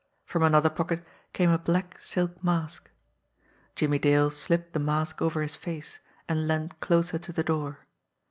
From another pocket came a black silk mask. Jimmie Dale slipped the mask over his face, and leaned closer to the door.